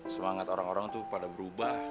semangat orang orang itu pada berubah